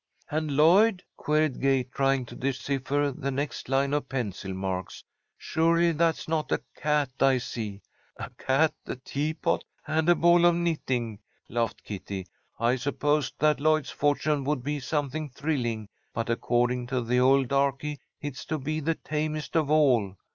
'" "And Lloyd?" queried Gay, trying to decipher the next line of pencil marks. "Surely that's not a cat I see." "A cat, a teapot, and a ball of knitting," laughed Kitty. "I supposed that Lloyd's fortune would be something thrilling, but according to the old darky, it's to be the tamest of all.